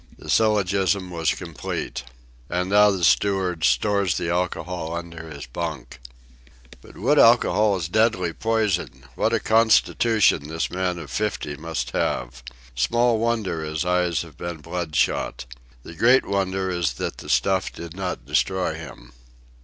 The syllogism was complete. And now the steward stores the alcohol under his bunk. But wood alcohol is deadly poison. What a constitution this man of fifty must have! Small wonder his eyes have been bloodshot. The great wonder is that the stuff did not destroy him.